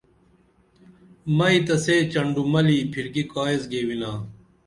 مئی تہ سے چنڈوملی پِھرکی کائیس گیوِنا